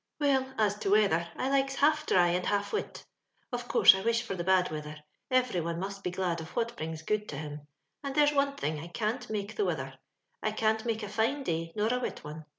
" Well, as to weather, I likes half diy and half ¥rit ; of course I wish for the bad wither. Every one must be glad of what brings good to him ; and, there's one thing, I can't make the wither — I can't make a fine day nor a wit one..